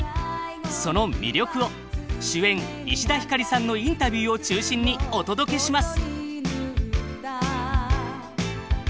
その魅力を主演石田ひかりさんのインタビューを中心にお届けします！